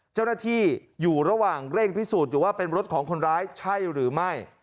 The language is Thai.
เจ้าหน้าที่อยู่ระหว่างเร่งพิสูจน์อยู่ว่าเป็นรถของคนร้ายใช่หรือไม่